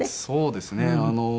そうですね。